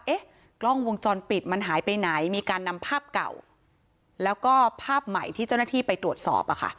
เอ๊ะกล้องวงจรปิดมันหายไปไหนมีการนำภาพเก่าแล้วก็ภาพใหม่ที่เจ้าหน้าที่ไปตรวจสอบอ่ะค่ะ